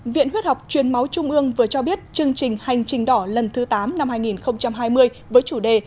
viện huyết học truyền máu trung ương vừa cho biết chương trình hành trình đỏ lần thứ tám năm hai nghìn hai mươi với chủ đề